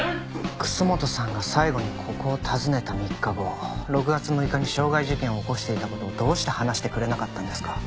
楠本さんが最後にここを訪ねた３日後６月６日に傷害事件を起こしていた事をどうして話してくれなかったんですか？